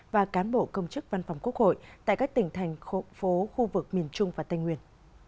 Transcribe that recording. và cán bộ công chức văn phòng quốc hội tại các tỉnh thành phố khu vực miền trung và tây nguyên